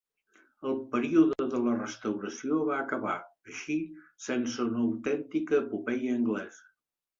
El període de la Restauració va acabar, així, sense una autèntica epopeia anglesa.